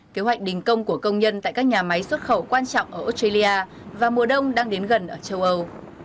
kế hoạch đình công của công nhân tại các nhà máy xuất khẩu quan trọng ở australia và mùa đông đang đến gần ở châu âu